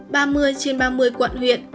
ba mươi trên ba mươi quận huyện